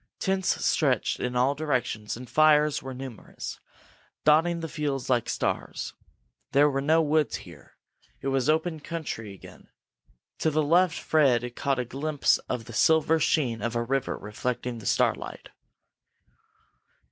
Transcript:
Tents stretched in all directions and fires were numerous, dotting the fields like stars. There were no woods here; it was open country again. To the left Fred caught a glimpse of the silver sheen of a river reflecting the starlight.